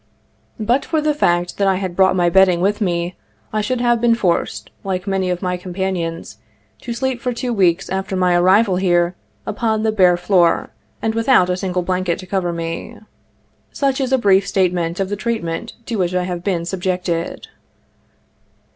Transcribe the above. But for the fact that I had brought my bed ding with me, I should have been forced, like many of my companions, to sleep for two weeks after my arrival here upon the bare floor, and without a single blanket to cover me. Such is a brief statement of the treatment to which I have been subjected.